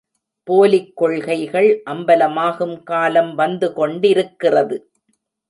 Folic கொள்கைகள் அம்பலமாகும் காலம் வந்துகொண் டிருக்கிறது.